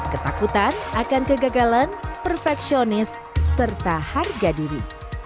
ketakutan akan kegagalan perfeksionis serta harga diri